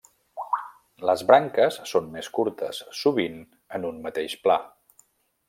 Les branques són més curtes, sovint en un mateix pla.